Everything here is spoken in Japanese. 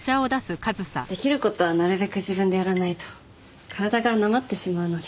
できる事はなるべく自分でやらないと体がなまってしまうので。